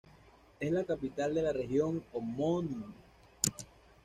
Es la capital de la región homónima.